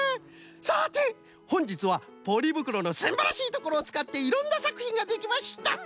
さてほんじつはポリぶくろのすんばらしいところをつかっていろんなさくひんができました！